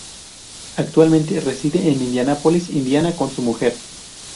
Actualmente reside en Indianápolis, Indiana, con su mujer.